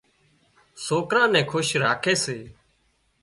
سوڪران نين خوش راکي سي